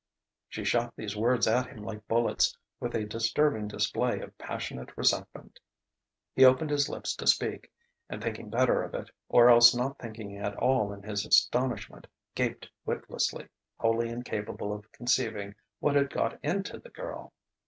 She shot these words at him like bullets, with a disturbing display of passionate resentment. He opened his lips to speak, and thinking better of it, or else not thinking at all in his astonishment, gaped witlessly, wholly incapable of conceiving what had got into the girl.